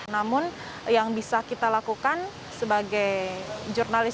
namun yang bisa kita lakukan sebagai jurnalis